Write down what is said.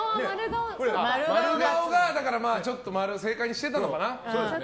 丸顔がまあ正解にしてたのかな？